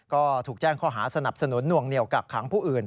ก็ถูกแจ้งข้อหาสนับสนุนหน่วงเหนียวกักขังผู้อื่น